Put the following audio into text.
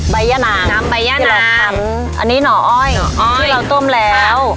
ย่านางน้ำใบย่านางอันนี้หน่ออ้อยหน่ออ้อยที่เราต้มแล้ว